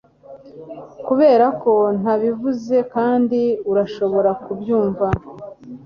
Kubera ko ntabivuze kandi urashobora kubyumva